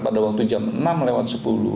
pada waktu jam enam lewat sepuluh